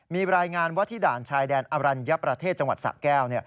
มีรายงานว่าที่ด่านชายแดนอรัญญประเทศจังหวัดสะแก้ว